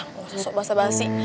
gak usah sok basa basi